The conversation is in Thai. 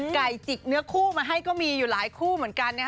จิกเนื้อคู่มาให้ก็มีอยู่หลายคู่เหมือนกัน